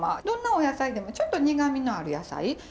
どんなお野菜でもちょっと苦みのある野菜。